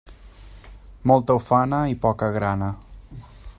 Molta ufana i poca grana.